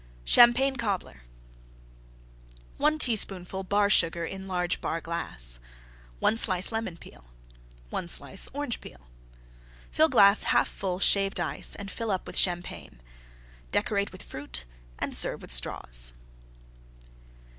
CHAMPAGNE COBBLER 1 teaspoonful Bar Sugar in large Bar glass. 1 slice Lemon Peel. 1 slice Orange Peel Fill glass 1/2 full Shaved Ice and fill up with Champagne. Decorate with Fruit and serve with Straws.